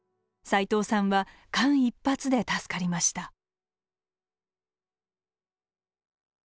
齋藤さんは間一髪で助かりました。